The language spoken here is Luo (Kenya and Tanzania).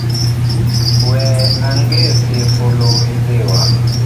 We angesi fulu idhiwa